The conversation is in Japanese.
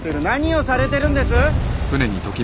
何をされてるんです。